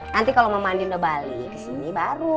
nanti kalau mama andi udah balik kesini baru